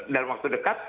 dalam waktu dekat